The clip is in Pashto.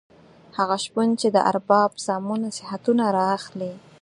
هغه شپون چې د ارباب سامو نصیحتونه را اخلي.